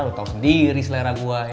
lo tau sendiri selera gue